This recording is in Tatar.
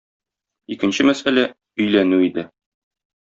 Икенче мәсьәлә - өйләнү иде.